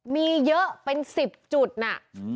มีเยอะเป็น๑๐จุดน่ะ